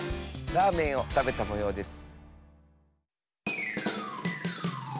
ラーメンをたべたもようです。